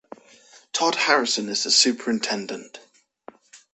Tod Harrison is the superintendent.